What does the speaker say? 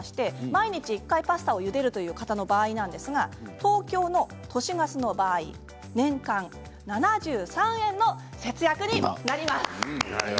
毎日１回パスタをゆでるという方の場合東京の都市ガスの場合年間で７３円の節約になります。